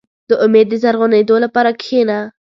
• د امید د زرغونېدو لپاره کښېنه.